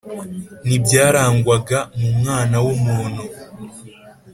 ntibyarangwaga mu mwana w’umuntu